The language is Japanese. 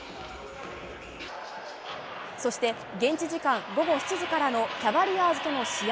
そして、現地時間午後７時からのキャバリアーズとの試合